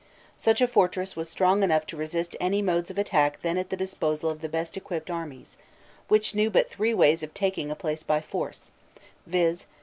Such a fortress was strong enough to resist any modes of attack then at the disposal of the best equipped armies, which knew but three ways of taking a place by force, viz.